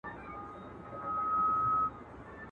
جهاني ډېر به دي غزل په تول د بوسو اخلي.